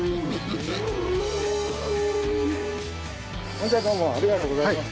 ほんじゃどうもありがとうございました。